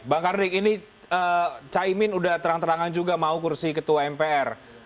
bang karnik ini caimin udah terang terangan juga mau kursi ketua mpr